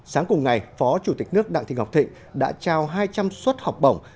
sáng cùng ngày phó chủ tịch nước đặng thị ngọc thịnh đã trao hai trăm linh suất học bổng